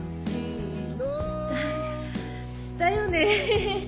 だだよね。